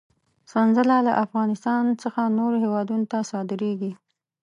سنځله له افغانستان څخه نورو هېوادونو ته صادرېږي.